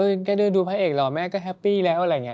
แกเดินดูพระเอกหรอแม่ก็แฮปปี้แล้วอะไรอย่างนี้